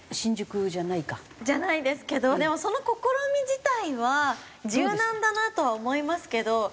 じゃないですけどでもその試み自体は柔軟だなとは思いますけど。